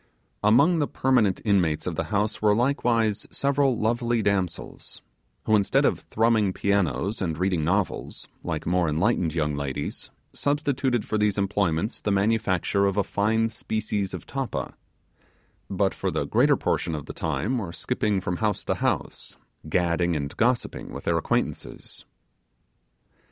Among the permanent inmates of the house were likewise several lovely damsels, who instead of thrumming pianos and reading novels, like more enlightened young ladies, substituted for these employments the manufacture of a fine species of tappa; but for the greater portion of the time were skipping from house to house, gadding and gossiping with their acquaintances.